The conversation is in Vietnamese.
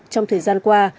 trong thời gian qua